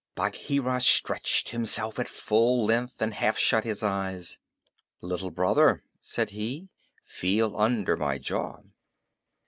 Bagheera stretched himself at full length and half shut his eyes. "Little Brother," said he, "feel under my jaw."